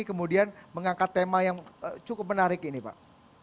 kemudian mengangkat tema yang cukup menarik ini pak